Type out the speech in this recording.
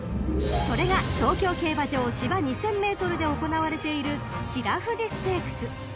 ［それが東京競馬場芝２，０００ｍで行われている白富士ステークス］